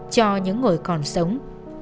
cho những người còn sống